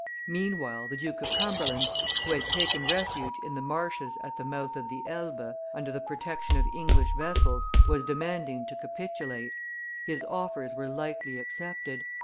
Meanwhile, the Duke of Cumberland, who had taken refuge in the marshes at the mouth of the Elbe, under the protection of English vessels, was demanding to capitulate; his offers were lightly accepted.